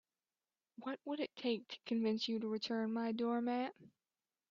What would it take to convince you to return my doormat?